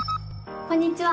こんにちは。